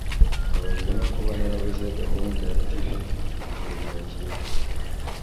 mbabajwe no kuba narabuze gahunda ya tv mwijoro ryakeye